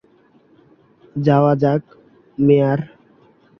যাওয়া যাক, মেয়ার।